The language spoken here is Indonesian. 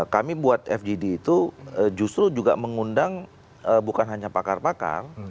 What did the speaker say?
kami buat fgd itu justru juga mengundang bukan hanya pakar pakar